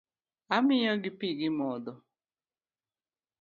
Amiyo gi pi gimodhi.